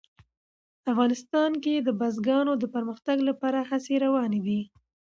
افغانستان کې د بزګانو د پرمختګ لپاره هڅې روانې دي.